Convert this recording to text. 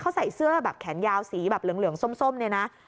เขาใส่เสื้อแบบแขนยาวสีแบบเหลืองส้มเนี่ยนะ